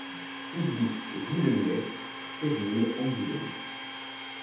six BIS rue de Lunesse, seize mille Angoulême